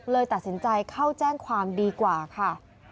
เลยตัดสินใจเข้าแจ้งความดีกว่าค่ะ